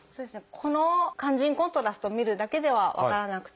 この肝腎コントラストを見るだけでは分からなくて。